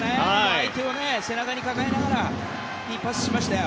相手を背中に抱えながらいいパスをしましたよ。